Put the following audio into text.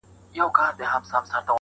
• هر یو مکر یې جلاوو آزمېیلی -